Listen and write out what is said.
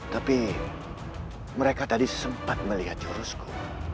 tapi mereka tadi sempat melihat jurusko